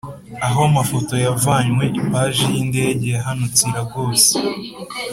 Aho amafoto yavanywe ipaji ya indege yahanutse i lagos